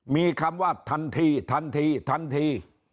มีคำว่าทันทีทันทีทันที